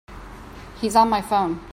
He's on my phone.